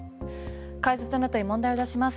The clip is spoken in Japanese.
解説のあとに問題を出します。